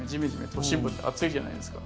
都市部って暑いじゃないですか。